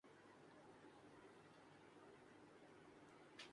تمام ریستوران ختم ہو چکے ہیں۔